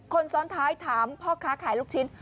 คนซ้อนท้ายถามพ่อค้าขายลูกชิ้น